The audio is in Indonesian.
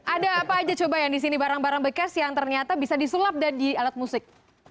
ada apa aja coba yang di sini barang barang bekas yang ternyata bisa disulap di alat musik